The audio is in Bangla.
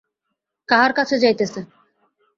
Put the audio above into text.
কাহার কাছে যাইতেছে?